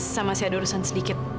saya masih ada urusan sedikit